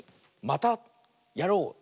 「またやろう！」。